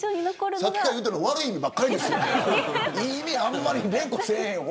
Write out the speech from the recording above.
さっきから言うてるの悪い意味ばっかりですよ。